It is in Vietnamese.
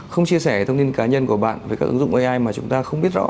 không chia sẻ thông tin cá nhân của bạn với các ứng dụng ai mà chúng ta không biết rõ